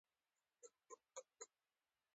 ایا زه باید د ماشوم نوکان واخلم؟